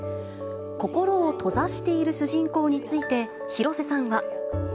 心を閉ざしている主人公について、広瀬さんは。